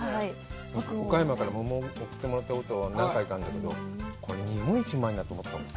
岡山から桃送ってもらったこと、何回かあるんだけど、これ、日本一うまいなと思ったもん。